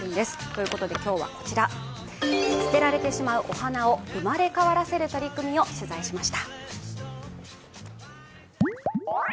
ということで、今日は捨てられてしまうお花を生まれ変わらせる取り組みを取材しました。